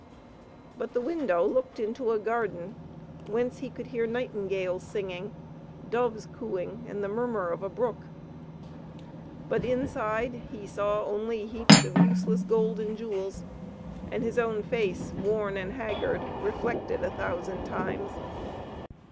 But the window looked into a garden whence he could hear nightingales singing, doves cooing, and the murmur of a brook. But inside he saw only heaps of useless gold and jewels, and his own face, worn and haggard, reflected a thousand times.